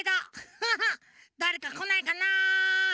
フフッだれかこないかな？